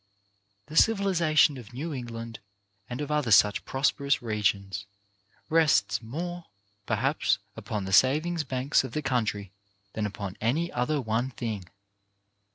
The civilization of New England and of other such prosperous regions rests more, perhaps, upon the savings banks of the country than upon any other one thing.